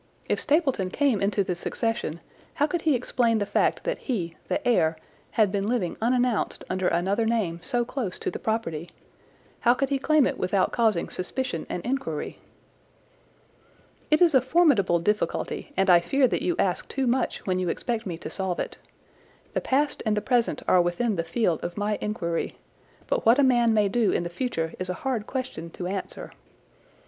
If Stapleton came into the succession, how could he explain the fact that he, the heir, had been living unannounced under another name so close to the property? How could he claim it without causing suspicion and inquiry?" "It is a formidable difficulty, and I fear that you ask too much when you expect me to solve it. The past and the present are within the field of my inquiry, but what a man may do in the future is a hard question to answer.